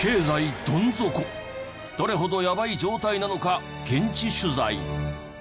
どれほどやばい状態なのか現地取材。